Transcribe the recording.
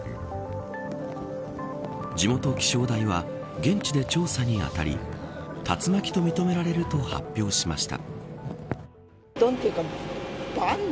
地元気象台は現地で調査に当たり竜巻と認められると発表しました。